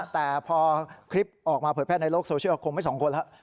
แต่พอคลิปออกมาเปิดแพร่ในโลกโซเชียลคงไป๒คนหรอก